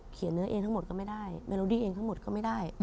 เนื้อเองทั้งหมดก็ไม่ได้เมโลดี้เองทั้งหมดก็ไม่ได้